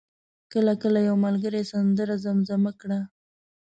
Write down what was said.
کله کله یو ملګری سندره زمزمه کړه.